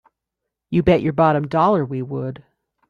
You bet your bottom dollar we would!